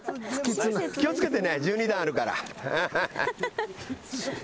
気を付けてね１２段あるから。